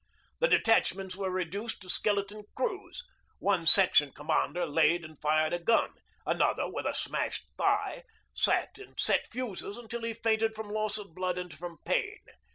The detachments were reduced to skeleton crews. One Section Commander laid and fired a gun; another, with a smashed thigh, sat and set fuses until he fainted from loss of blood and from pain.